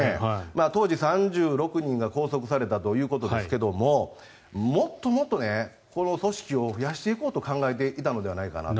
当時３６人が拘束されたということですがもっともっと、この組織を増やしていこうと考えていたのではないかなと。